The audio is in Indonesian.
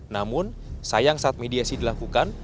namun sayang saat mediasi dilakukan